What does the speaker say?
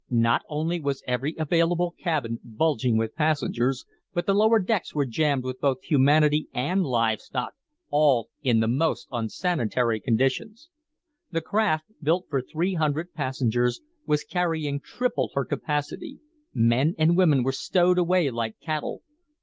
Not only was every available cabin bulging with passengers, but the lower decks were jammed with both humanity and live stock all in the most unsanitary conditions. The craft, built for three hundred passengers, was carrying triple her capacity; men and women were stowed away like cattle.